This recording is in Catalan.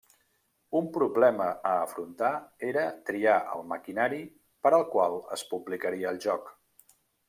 Un problema a afrontar era triar el maquinari per al qual es publicaria el joc.